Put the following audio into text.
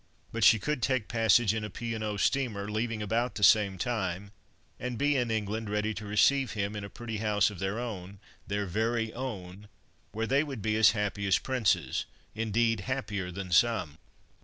But she could take passage in a P. and O. steamer, leaving about the same time, and be in England ready to receive him in a pretty house of their own—their very own—where they would be as happy as princes—happier indeed than some!